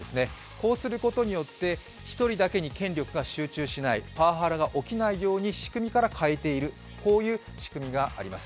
こうすることによって、１人だけに権力が集中しない、パワハラが行えないように仕組みから変えている、こういう仕組みがあります。